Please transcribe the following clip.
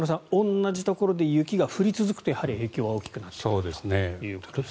同じところで雪が降り続くとやはり影響は大きくなってくるということですね。